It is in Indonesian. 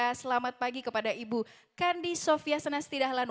dan juga selamat pagi kepada ibu kandi sofya senastidahlan